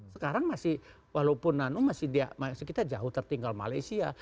sekarang masih walaupun nano masih kita jauh tertinggal malaysia